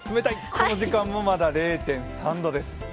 この時間もまだ０．３度です。